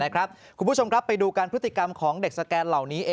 คุณผู้ชมครับไปดูการพฤติกรรมของเด็กสแกนเหล่านี้